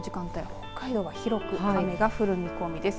北海道は広く雨が降る見込みです。